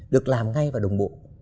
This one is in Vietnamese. được làm ngay và đồng bộ